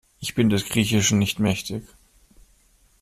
Ich bin des Griechischen nicht mächtig.